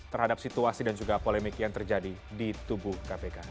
terhadap situasi dan juga polemik yang terjadi di tubuh kpk